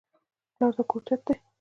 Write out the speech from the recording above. پلار د کور چت دی